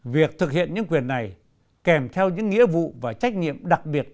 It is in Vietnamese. việc thực hiện những quyền này kèm theo những nghĩa vụ và trách nhiệm đặc biệt